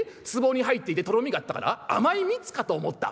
壺に入っていてとろみがあったから甘い蜜かと思った？